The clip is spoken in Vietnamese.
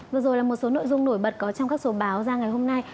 vừa rồi là một số nội dung nổi bật có trong các số báo ra ngày hôm nay